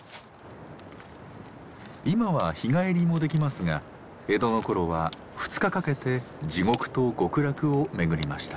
今は日帰りもできますが江戸のころは二日かけて地獄と極楽を巡りました。